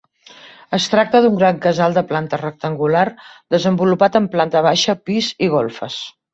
Es tracta d'un gran casal de planta rectangular, desenvolupat en planta baixa, pis i golfes.